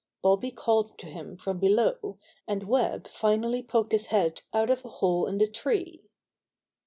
Bobby called to him from below, and Web finally poked his head out of a hole in the tree.